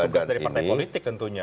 itu juga tugas dari partai politik tentunya